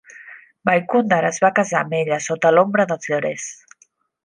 Vaikundar es va casar amb ella sota l'ombra dels llorers.